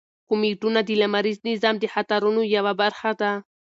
کومیټونه د لمریز نظام د خطرونو یوه برخه ده.